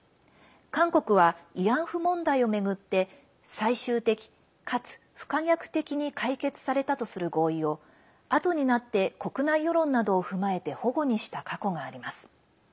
韓国は慰安婦問題を巡って最終的かつ不可逆的に解決されたとする合意をあとになって国内世論などを踏まえて反故にした過去があります。